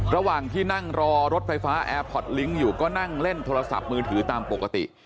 ระหว่างที่นั่งรอรถไฟฟ้าแอร์พอร์ตลิงค์อยู่ก็นั่งเล่นโทรศัพท์มือถือตามปกติ